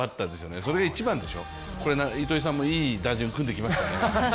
それで１番、糸井さんもいい打順を組んできましたね。